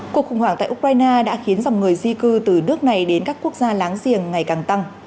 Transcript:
cuộc khủng hoảng tại ukraine đã khiến dòng người di cư từ nước này đến các quốc gia láng giềng ngày càng tăng